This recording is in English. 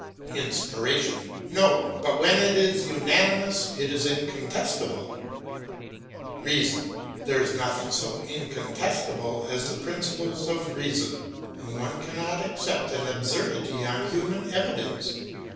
"INSPIRATION: No; but when it is unanimous, it is incontestable. "REASON: There is nothing so incontestable as the principles of reason, and one cannot accept an absurdity on human evidence.